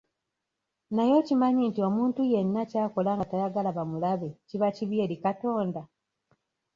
Naye okimanyi nti omuntu yenna ky'akola nga tayagala bamulabe kiba kibi eri Katonda?